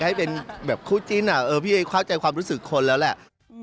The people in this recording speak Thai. ให้เป็นแบบคู่จิ้นพี่เอเข้าใจความรู้สึกคนแล้วแหละ